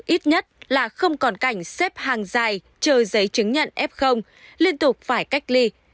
ít nhất là không còn cảnh xếp hàng dài chờ giấy chứng nhận f liên tục phải cách ly